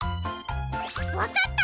わかった！